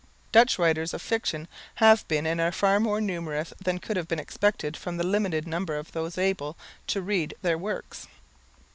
Dutch writers of fiction have been and are far more numerous than could have been expected from the limited number of those able to read their works.